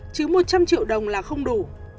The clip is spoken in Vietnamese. chứ một trăm linh triệu đồng là không đủ